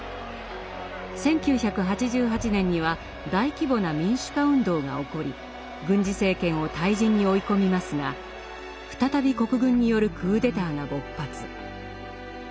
１９８８年には大規模な民主化運動が起こり軍事政権を退陣に追い込みますが再び国軍によるクーデターが勃発。